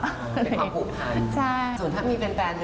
เป็นความผูกพันส่วนถ้ามีแฟน